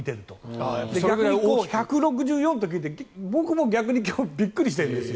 逆に１６４ｃｍと聞いて僕もびっくりしているんですよ。